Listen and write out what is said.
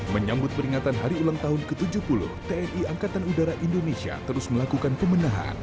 menyambut peringatan hari ulang tahun ke tujuh puluh tni angkatan udara indonesia terus melakukan pemenahan